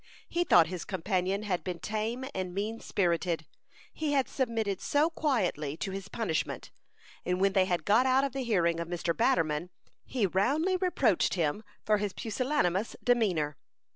He thought his companion had been tame and mean spirited, he had submitted so quietly to his punishment; and when they had got out of the hearing of Mr. Batterman, he roundly reproached him for his pusillanimous demeanor.